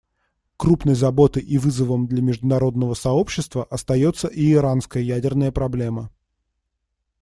Крупной заботой и вызовом для международного сообщества остается и иранская ядерная проблема.